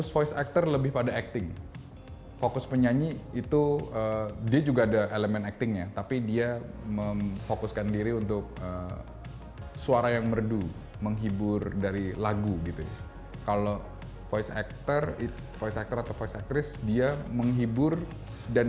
voice actor lebih ditekankan kepada kemampuan acting menghayati suatu peran